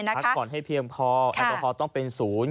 พักผ่อนให้เพียงพอแอลกอฮอลต้องเป็นศูนย์